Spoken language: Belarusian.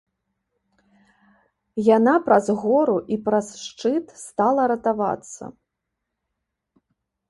Яна праз гору і праз шчыт стала ратавацца.